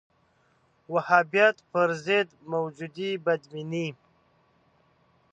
وهابیت پر ضد موجودې بدبینۍ